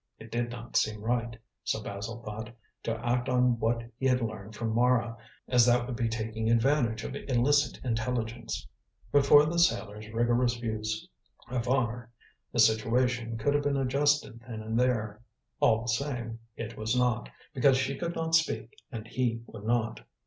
It did not seem right, so Basil thought, to act on what he had learned from Mara, as that would be taking advantage of illicit intelligence. But for the sailor's rigorous views of honour, the situation could have been adjusted then and there. All the same, it was not, because she could not speak and he would not.